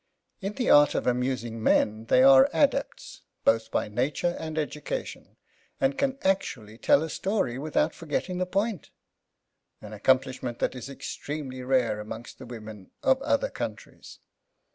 In the art of amusing men they are adepts, both by nature and education, and can actually tell a story without forgetting the point—an accomplishment that is extremely rare among the women of other countries.